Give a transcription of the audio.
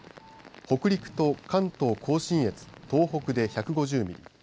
北陸と関東甲信越東北で１５０ミリ。